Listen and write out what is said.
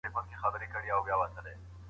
رسول اکرم صلی الله عليه وسلم فرمايلي دي.